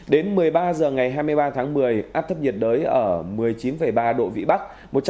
đến một mươi ba h ngày hai mươi ba tháng một mươi áp thấp nhiệt đới ở một mươi chín ba độ vĩ bắc